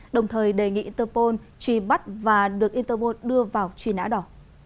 đồng thời đề nghị tơpol truy bắt và được interpol đưa vào truy nã đỏ